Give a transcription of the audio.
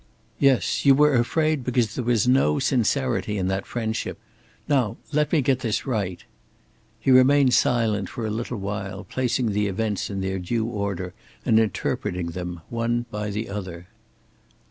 "Yes, you were afraid because there was no sincerity in that friendship. Now let me get this right!" He remained silent for a little while, placing the events in their due order and interpreting them, one by the other.